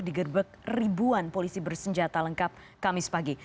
digerbek ribuan polisi bersenjata lengkap kamis pagi